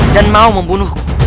dan mau membunuhku